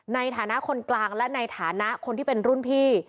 ในฐานะคนกลางและในฐานะคนที่เป็นรุ่นพี่